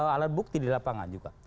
alat bukti di lapangan juga